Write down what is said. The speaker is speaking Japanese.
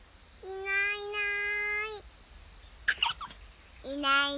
いないいない。